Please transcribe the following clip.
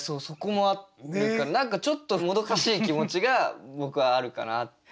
そこもあるというか何かちょっともどかしい気持ちが僕はあるかな。